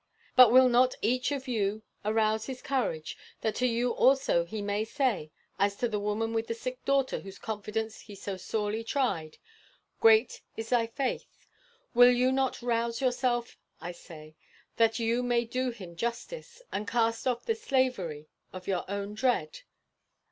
But will not each of you arouse his courage that to you also he may say, as to the woman with the sick daughter whose confidence he so sorely tried, 'Great is thy faith'? Will you not rouse yourself, I say, that you may do him justice, and cast off the slavery of your own dread?